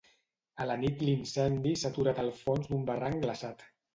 A la nit l'incendi s'ha aturat al fons d'un barranc glaçat.